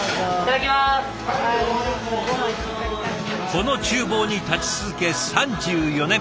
この厨房に立ち続け３４年。